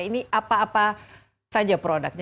ini apa apa saja produknya